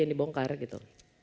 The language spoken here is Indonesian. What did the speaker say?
yang dibongkar gitu